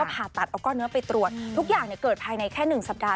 ผ่าตัดเอาก้อนเนื้อไปตรวจทุกอย่างเกิดภายในแค่๑สัปดาห